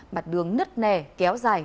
mặt đường nứt nè kéo dài